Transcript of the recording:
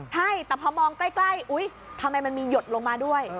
ใช่แต่พอมองใกล้อุ๊ยทำไมมันมีหยดลงมาด้วย